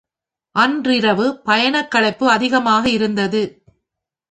அன்றிரவு பயணக் களைப்பு அதிகமாக இருந்தது.